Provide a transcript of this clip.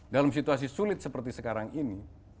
dalam situasi sulit seperti sekarang ini